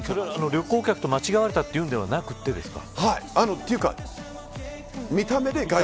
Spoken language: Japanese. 旅行客と間違われたというのではなくてですか。